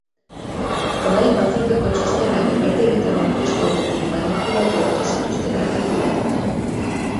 Orain, batzordeko txostenak epaitegietan aurkeztu aurretik manipulatu ote zituzten argitu nahi dute.